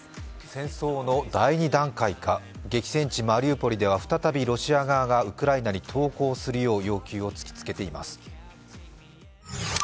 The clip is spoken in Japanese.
戦争の第２段階か、激戦地マリウポリでは再びロシア側がウクライナ側に投降するよう突きつけています。